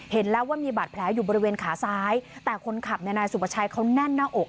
เห็นแล้วว่ามีบาดแผลอยู่บริเวณขาซ้ายแต่คนขับเนี่ยนายสุประชัยเขาแน่นหน้าอก